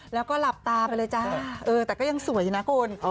แล้วก็หลับตาไปเลยจ๊ะเออแต่ก็ยังสวยนะคุณ